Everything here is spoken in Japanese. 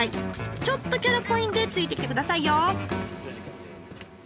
ちょっとキャラ濃いんでついてきてくださいよ。